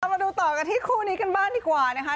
มาดูต่อกันที่คู่นี้กันบ้างดีกว่านะคะ